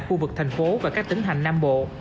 khu vực thành phố và các tỉnh hành nam bộ